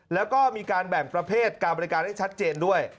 แล้วก็มีการแบ่งประเภทการบริการให้ชัดเจนด้วย